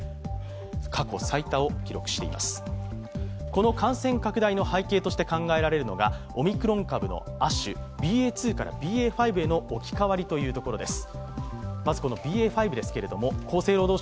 この感染拡大の背景として考えられるのがオミクロン株の亜種、ＢＡ．２からＢＡ．５への置き換わりというところです。